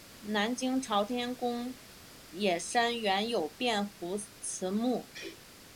南京朝天宫冶山原有卞壸祠墓。